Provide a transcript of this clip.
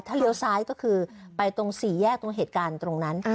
เลี้ยวซ้ายก็คือไปตรงสี่แยกตรงเหตุการณ์ตรงนั้น